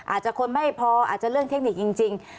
อาจจะคนไม่พออาจจะเรื่องเทคนิคจริง